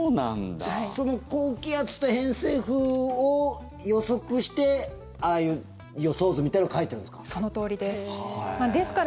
その高気圧と偏西風を予測してああいう予想図みたいなのを書いてるんですか？